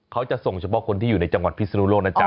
เขาจะส่งเฉพาะคนที่อยู่ในจังหวัดพิศนุโลกนะจ๊